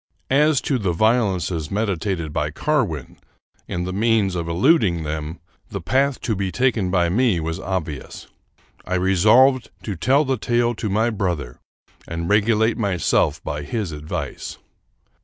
As to the violences meditated by Carwin, and the means of eluding them, the path to be taken by me was obvious. I resolved to tell the tale to my brother and regulate myself by his advice.